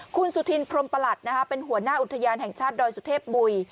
คุณสุธินพรมประหลัดเป็นหัวหน้าอุทยานแห่งชาติดอยสุเทพบุย